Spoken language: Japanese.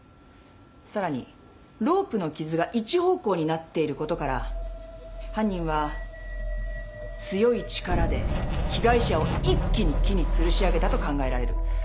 さらにロープの傷が一方向になっていることから犯人は強い力で被害者を一気に木につるし上げたと考えられる。